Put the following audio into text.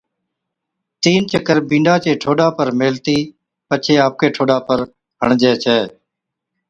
تين چڪر بِينڏا چي ٺوڏا پر ميلهتِي پڇي آپڪي ٺوڏا پر ھڻي ڇَي